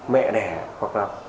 mẹ đẻ hoặc là